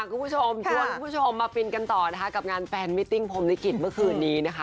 คุณผู้ชมชวนคุณผู้ชมมาฟินกันต่อนะคะกับงานแฟนมิติ้งพรมลิขิตเมื่อคืนนี้นะคะ